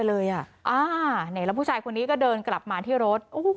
แล้วผู้ชายคนนี้ก็เดินกลับมาที่รถ